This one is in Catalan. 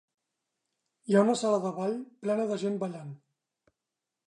Hi ha una sala de ball plena de gent ballant.